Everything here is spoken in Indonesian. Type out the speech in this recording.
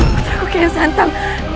putraku kaya santan